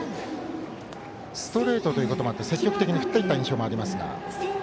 ストレートということもあって積極的に振っていった印象もありますが。